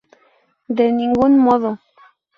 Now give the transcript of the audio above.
De ningún modo.